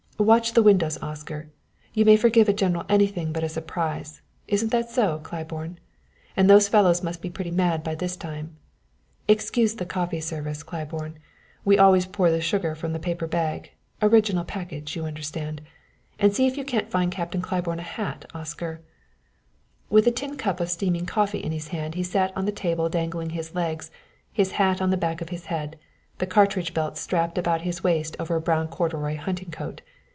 "Watch the windows, Oscar; you may forgive a general anything but a surprise isn't that so, Claiborne? and those fellows must be pretty mad by this time. Excuse the coffee service, Claiborne. We always pour the sugar from the paper bag original package, you understand. And see if you can't find Captain Claiborne a hat, Oscar " With a tin cup of steaming coffee in his hand he sat on the table dangling his legs, his hat on the back of his head, the cartridge belt strapped about his waist over a brown corduroy hunting coat.